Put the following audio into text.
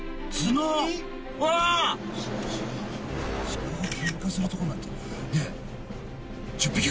鹿がケンカするとこなんてねぇ。